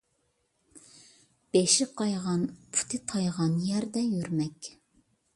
بېشى قايغان، پۇتى تايغان يەردە يۈرمەك.